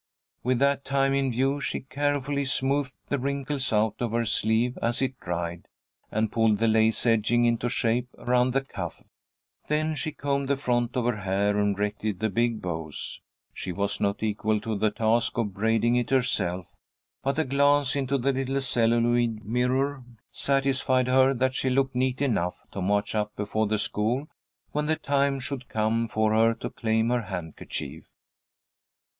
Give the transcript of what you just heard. With that time in view, she carefully smoothed the wrinkles out of her sleeve as it dried, and pulled the lace edging into shape around the cuff. Then she combed the front of her hair, and retied the big bows. She was not equal to the task of braiding it herself, but a glance into the little celluloid mirror satisfied her that she looked neat enough to march up before the school when the time should come for her to claim her handkerchief.